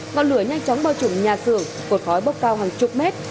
ngọn lửa nhanh chóng bao trùm nhà xưởng cột khói bốc cao hàng chục mét